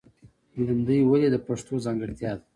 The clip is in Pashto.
لندۍ ولې د پښتو ځانګړتیا ده؟